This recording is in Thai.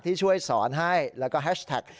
ที่ช่วยสอนให้แล้วก็แฮชแท็ก